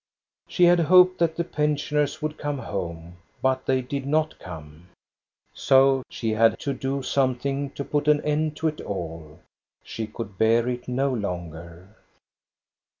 She had hoped that the pensioners would come home; but they did not come. So she had to do something to put an end to it all. She could bear it no longer.